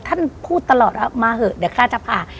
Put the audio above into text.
ท่านพูดตลอดอะมาเหอะเดี๋ยวข้าจะพา